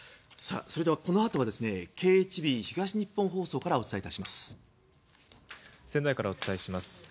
それではこのあとＫＨＢ東日本放送から仙台からお伝えします。